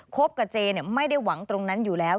คบกับเจไม่ได้หวังตรงนั้นอยู่แล้ว